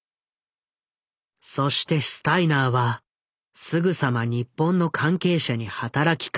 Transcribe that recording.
そしてスタイナーはすぐさま日本の関係者に働きかける。